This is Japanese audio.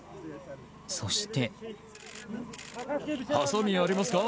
そして。